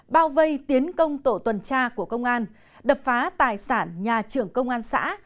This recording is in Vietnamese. bao vây tiến công tổ tuần tra của công an đập phá tài sản nhà trưởng công an xã